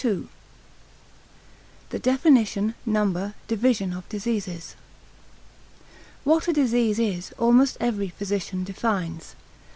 II.—The Definition, Number, Division of Diseases. What a disease is, almost every physician defines.